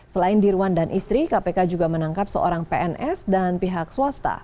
selain dirwan dan istri kpk juga menangkap seorang pns dan pihak swasta